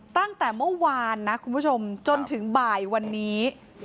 ตั้งแต่เมื่อวานนะคุณผู้ชมจนถึงบ่ายวันนี้